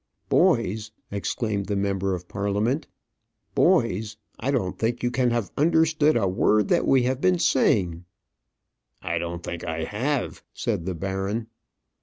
"Boys!" exclaimed the member of Parliament. "Boys! I don't think you can have understood a word that we have been saying." "I don't think I have," said the baron.